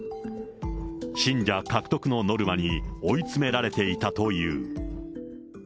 信者獲得のノルマに追い詰められていたという。